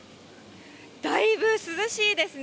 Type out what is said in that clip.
だいぶ涼しいですね。